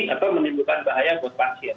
atau menimbulkan bahaya buat pasien